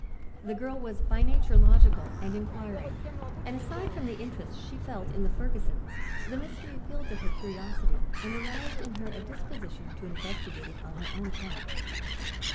The girl was by nature logical and inquiring and aside from the interest she felt in the Fergusons the mystery appealed to her curiosity and aroused in her a disposition to investigate it on her own account.